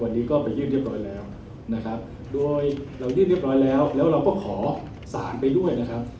วันนี้ก็ไปยื่นเรียบร้อยแล้วนะครับโดยเรายื่นเรียบร้อยแล้วแล้วเราก็ขอสารไปด้วยนะครับ